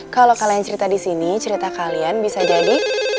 kalau kalian cerita di sini cerita kalian bisa jadi